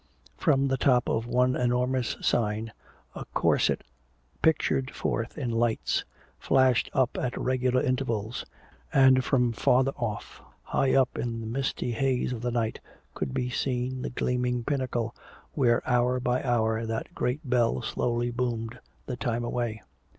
From the top of one an enormous sign, a corset pictured forth in lights, flashed out at regular intervals; and from farther off, high up in the misty haze of the night, could be seen the gleaming pinnacle where hour by hour that great bell slowly boomed the time away.